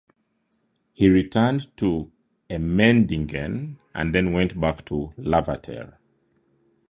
He returned to Emmendingen, and then went back to Lavater.